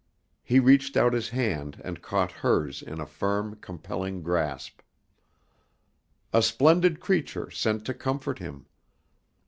He reached out his hand and caught hers in a firm, compelling grasp. A splendid creature sent to comfort him.